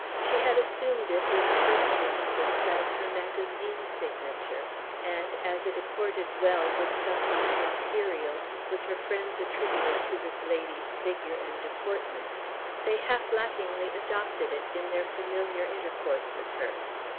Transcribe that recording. She had assumed it, in the first instance, as her magazine signature; and, as it accorded well with something imperial which her friends attributed to this lady's figure and deportment, they half laughingly adopted it in their familiar intercourse with her.